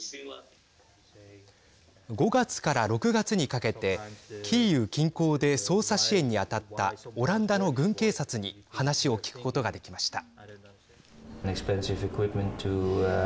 ５月から６月にかけてキーウ近郊で捜査支援に当たったオランダの軍警察に話を聞くことができました。